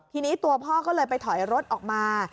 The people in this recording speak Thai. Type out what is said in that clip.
ทีนี้ตัวพ่อก็เลยไปถอยรถออกมา